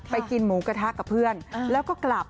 กินหมูกระทะกับเพื่อนแล้วก็กลับ